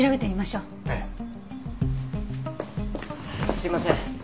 すいません